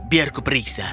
biar aku periksa